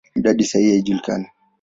Idadi sahihi haijulikani.